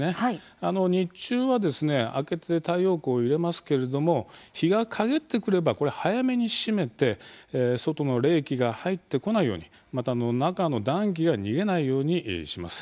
日中はですね開けて太陽光を入れますけれども日が陰ってくればこれ早めにしめて外の冷気が入ってこないようにまた中の暖気が逃げないようにします。